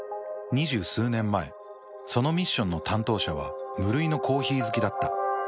２０数年前そのミッションの担当者は無類のコーヒー好きだった。